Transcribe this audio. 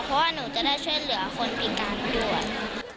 เพราะว่าหนูจะได้ช่วยเหลือคนติดตามด่วน